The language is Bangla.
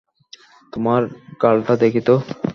তোমার গালটা দেখি তো!